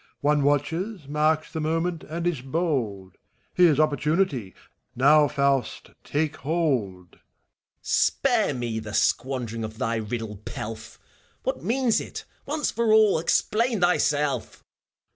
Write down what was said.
One watches, marks the moment, and is bold : Here's opportunity I^now, Faust, take hold ! FAUST. Spare me the squandering of thy riddle pelf I What means it, once for all f Explain thyself